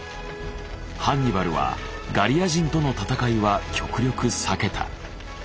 ハンニバルはガリア人との戦いは極力避けた。